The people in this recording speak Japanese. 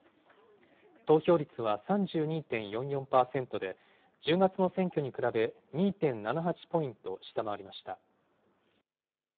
投票率は３２．４４％で、１０月の選挙に比べ、２．７８ポイント下回りました。